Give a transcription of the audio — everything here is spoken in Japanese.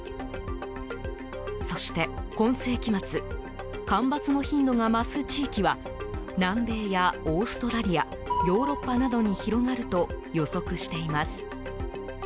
そして今世紀末干ばつの頻度が増す地域は南米やオーストラリアヨーロッパなどに広がると予測しています。